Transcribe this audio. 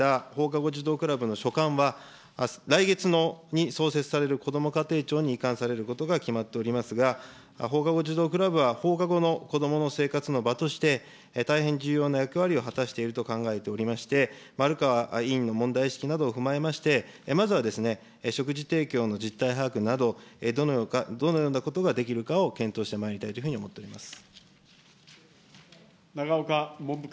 今申し上げた放課後児童クラブの所管は、来月に創設されるこども家庭庁に移管されることが決まっておりますが、放課後児童クラブは放課後のこどもの生活の場として、大変重要な役割を果たしていると考えておりまして、丸川委員の問題意識などを踏まえまして、まずは食事提供の実態把握など、どのようなことができるかを検討してまいりたいというふうに思っております。